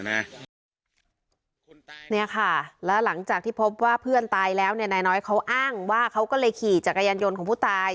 เนี่ยค่ะหลังจากที่พบว่าเพื่อนตายเน้ยเค้าอ้างว่าเค้าก็เลยขี่จากกระยันยนต์ของผู้ตาย